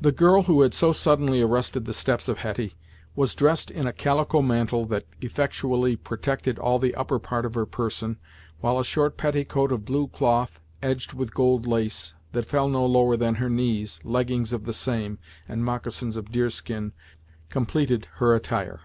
The girl who had so suddenly arrested the steps of Hetty was dressed in a calico mantle that effectually protected all the upper part of her person, while a short petticoat of blue cloth edged with gold lace, that fell no lower than her knees, leggings of the same, and moccasins of deer skin, completed her attire.